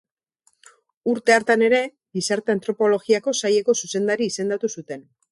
Urte hartan ere Gizarte Antropologiako Saileko zuzendari izendatu zuten.